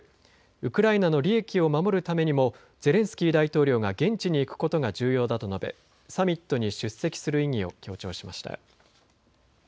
ウクライナの利益を守るためにもゼレンスキー大統領が現地に行くことが重要だと述べ、サミットに出席する意義を強調しました。